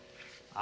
あ。